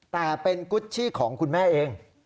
แต่เป็นกุชชี่ของคุณแม่เอง